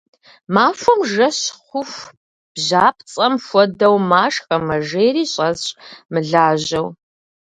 Махуэм жэщ хъуху бжьапцӏэм хуэдэу машхэ мэжейри щӏэсщ, мылажьэу.